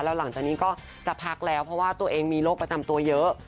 แล้วหลังจากนี้ก็จะพักแล้วเพราะว่าตัวเองมีโรคประจำตัวเยอะ